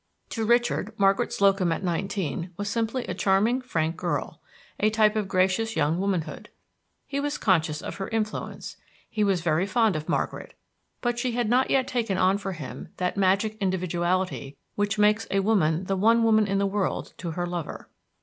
To Richard, Margaret Slocum at nineteen was simply a charming, frank girl, a type of gracious young womanhood. He was conscious of her influence; he was very fond of Margaret; but she had not yet taken on for him that magic individuality which makes a woman the one woman in the world to her lover.